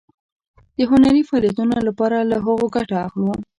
د هنري فعالیتونو لپاره له هغو ګټه اخلو.